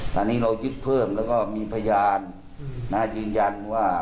ตอนนี้เรายึดเพิ่มแล้วก็มีพยานยืนยันว่า